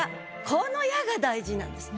この「や」が大事なんです。